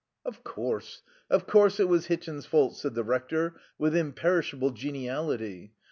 "Of course. Of course it was Hitchin's fault," said the Rector, with imperishable geniality.